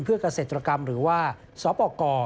เพื่อเกษตรกรรมหรือว่าสปกร